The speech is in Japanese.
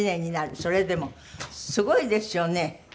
それでもすごいですよね。